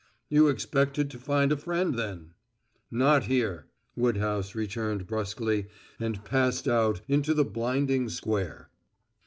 "You expected to find a friend, then?" "Not here," Woodhouse returned bruskly, and passed out into the blinding square.